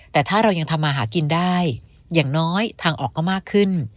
แต่ถ้าเรายังทำมาหากินได้อย่างน้อยทางออกก็มากขึ้น